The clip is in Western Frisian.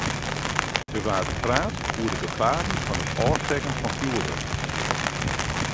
Der waard praat oer de gefaren fan it ôfstekken fan fjoerwurk.